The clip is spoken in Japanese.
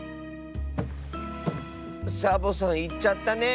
サボさんいっちゃったね。